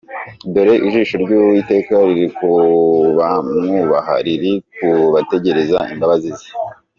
Dore ijisho ry’Uwiteka riri ku bamwubaha, Riri ku bategereza imbabazi ze.